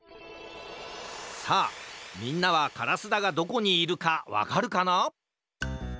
さあみんなはからすだがどこにいるかわかるかな？